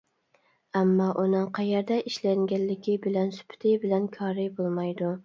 ئەمما ئۇنىڭ قەيەردە ئىشلەنگەنلىكى بىلەن، سۈپىتى بىلەن كارى بولمايدۇ.